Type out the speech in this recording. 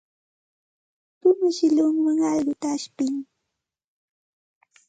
Puma shillunwan allquta ashpin.